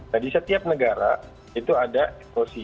nah di setiap negara itu ada ekosis